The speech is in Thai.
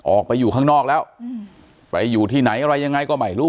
ออกไปอยู่ข้างนอกแล้วไปอยู่ที่ไหนอะไรยังไงก็ไม่รู้